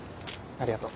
ありがと。